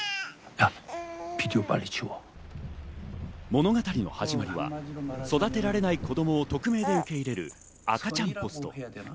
物語の始まりは育てられない子供を匿名で受け入れる赤ちゃんポスト。